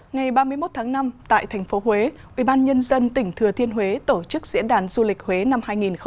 ngày ba mươi một tháng năm tại thành phố huế ubnd tỉnh thừa thiên huế tổ chức diễn đàn du lịch huế năm hai nghìn một mươi chín